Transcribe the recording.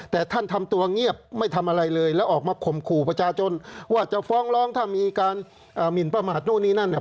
แต่ท่านทำตัวเงียบไม่ทำอะไรเลยแล้วออกมาข่มขู่ประชาชนว่าจะฟ้องร้องถ้ามีการหมินประมาทนู่นนี่นั่นเนี่ย